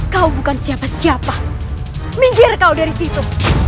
kau bukan siapa siapa minggir kau dari situ